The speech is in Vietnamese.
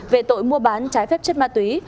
về tội mua bán trái phép chất ma túy